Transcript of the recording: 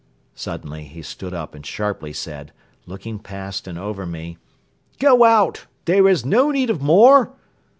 Suddenly he stood up and sharply said, looking past and over me: "Go out! There is no need of more.